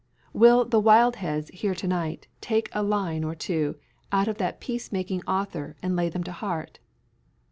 Will the Wildheads here to night take a line or two out of that peace making author and lay them to heart?